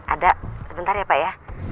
ada sebentar ya pak ya